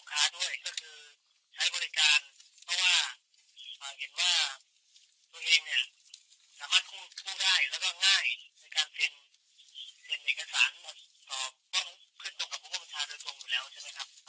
คือใช้บริการเพราะว่าตัวเองเนี่ยสามารถคู่ได้แล้วก็ง่ายในการเซ็นเอกสารต่อขึ้นตรงกับผู้บริการโดยตรงอยู่แล้วใช่ไหมครับ